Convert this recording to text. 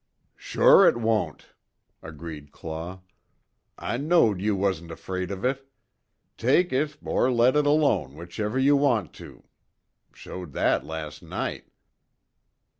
"Sure it won't," agreed Claw, "I know'd you wasn't afraid of it. Take it, or let it alone, whichever you want to show'd that las' night."